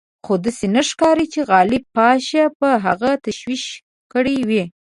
خو داسې نه ښکاري چې غالب پاشا به هغه تشویق کړی وي.